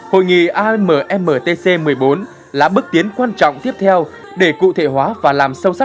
hội nghị ammtc một mươi bốn là bước tiến quan trọng tiếp theo để cụ thể hóa và làm sâu sắc